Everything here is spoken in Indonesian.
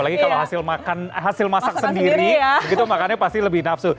lumayan enak apalagi kalau hasil masak sendiri gitu makannya pasti lebih nafsu